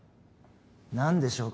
何でしょうか？